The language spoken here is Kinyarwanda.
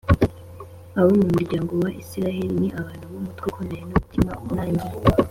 abo mu muryango wa Israheli ni abantu b’umutwe ukomeye n’umutima unangiye